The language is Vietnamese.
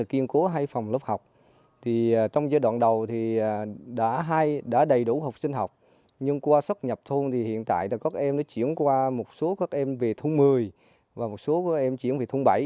kiên cố hai phòng lớp học thì trong giai đoạn đầu thì đã đầy đủ học sinh học nhưng qua sắp nhập thôn thì hiện tại các em đã chuyển qua một số các em về thôn một mươi và một số em chuyển về thôn bảy